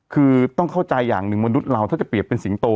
คือต้องเข้าใจอย่างหนึ่งมนุษย์เราถ้าจะเปรียบเป็นสิงโต